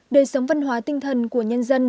đời sống văn hóa tinh thần của nhân dân